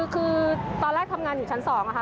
คือตอนแรกทำงานอยู่ชั้น๒ค่ะ